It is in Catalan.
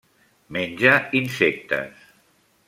Menja insectes.